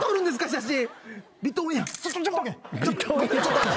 写真。